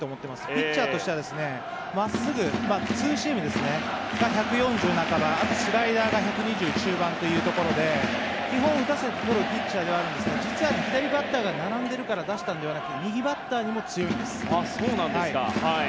ピッチャーとしてはまっすぐ、ツーシームが１４０キロ台半ばあとはスライダーが１２０中盤というところで基本は打たせて取るピッチャーですが実は左バッターが並んでるから出したのではなく右バッターにも強いんです。